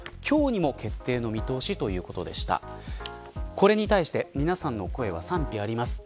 これに対して皆さんの声は賛否あります。